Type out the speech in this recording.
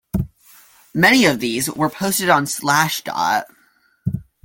Many of these were posted on Slashdot.